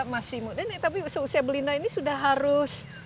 masih muda nih tapi seusia belinda ini sudah harus